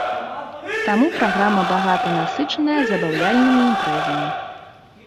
Таму праграма багата насычаная забаўляльнымі імпрэзамі.